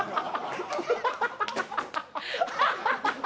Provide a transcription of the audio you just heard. ハハハハ！